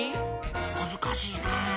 むずかしいな。